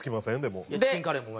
でも。